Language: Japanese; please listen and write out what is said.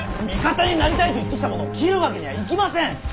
味方になりたいと言ってきた者を斬るわけにはいきません！